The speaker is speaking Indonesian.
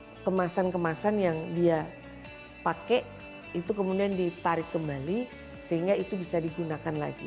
kemudian kemasan kemasan yang dia pakai itu kemudian ditarik kembali sehingga itu bisa digunakan lagi